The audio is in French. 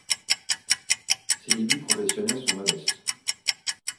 Ses débuts professionnels sont modestes.